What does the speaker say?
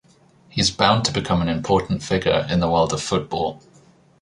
He's bound to become an important figure in the world of football.